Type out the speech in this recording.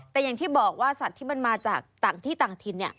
แต่อย่างที่บอกว่าสัตว์ที่มันมาจากต่างที่ต่างถิ่น